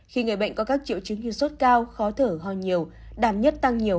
khi người bệnh có các triệu chứng như sốt cao khó thở ho nhiều đảm nhất tăng nhiều